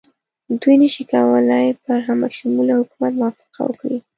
دوی نه شي کولای پر همه شموله حکومت موافقه وکړي.